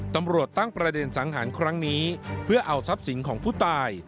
ตำรวจตั้งประเด็นสังหารครั้งนี้เพื่อเอาทรัพย์สินของผู้ตาย